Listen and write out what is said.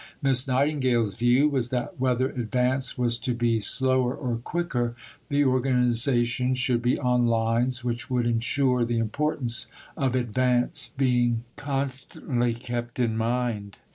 Miss Nightingale's view was that whether advance was to be slower or quicker, the organization should be on lines which would ensure the importance of advance being constantly kept in mind.